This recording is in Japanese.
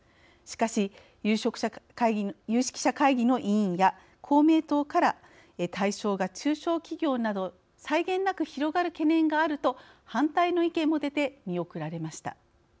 しかし、有識者会議の委員や公明党から「対象が中小企業など際限なく広がる懸念がある」と反対の意見も出て見送られました。